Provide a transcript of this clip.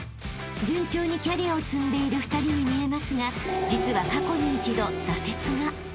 ［順調にキャリアを積んでいる２人に見えますが実は一度］